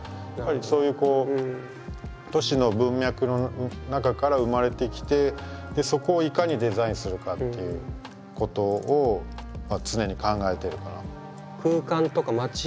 やっぱりそういうこう「都市の文脈」の中から生まれてきてそこをいかにデザインするかっていうことを常に考えてるから。